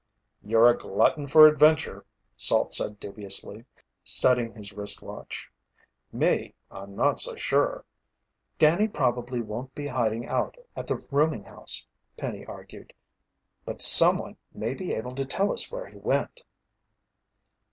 "You're a glutton for adventure," Salt said dubiously, studying his wristwatch. "Me I'm not so sure." "Danny probably won't be hiding out at the rooming house," Penny argued. "But someone may be able to tell us where he went."